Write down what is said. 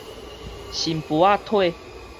新婦仔體